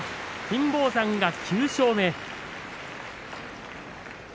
金峰山が９勝目。